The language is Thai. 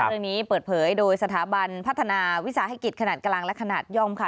เรื่องนี้เปิดเผยโดยสถาบันพัฒนาวิสาหกิจขนาดกลางและขนาดย่อมค่ะ